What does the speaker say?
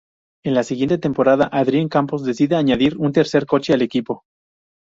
En la siguiente temporada Adrián Campos decide añadir un tercer coche al equipo.